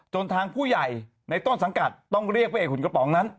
ทางผู้ใหญ่ในต้นสังกัดต้องเรียกพระเอกหุ่นกระป๋องนั้น